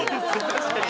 確かに。